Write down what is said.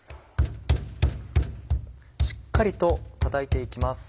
しっかりと叩いて行きます。